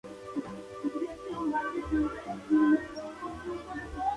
Incluye a todos los ecosistemas, ya sean gigantes o diminutos.